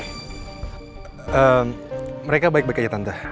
eem mereka baik baik aja tante